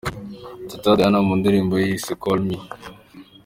Teta Diana mu ndirimbo ye Call Me.